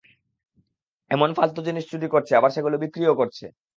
এমন ফালতু জিনিস চুরি করছে, আবার সেগুলো বিক্রিও করছে।